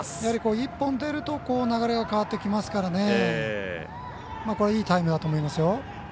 １本出ると流れが変わってきますからこれは、いいタイムだと思います。